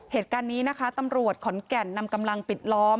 เหตุการณ์นี้นะคะตำรวจขอนแก่นนำกำลังปิดล้อม